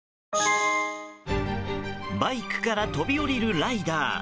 バイクから飛び降りるライダー。